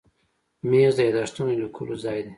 مېز د یاداښتونو لیکلو ځای دی.